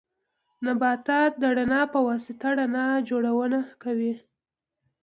نبات د رڼا په واسطه رڼا جوړونه کوي